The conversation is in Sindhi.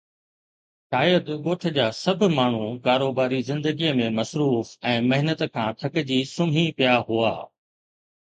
شايد ڳوٺ جا سڀ ماڻهو ڪاروباري زندگيءَ ۾ مصروف ۽ محنت کان ٿڪجي سمهي پيا هئا.